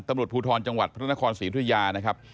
ตำรวจภูทรจังหวัดพระนครศรีธุยานะครับ